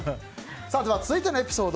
続いてのエピソード。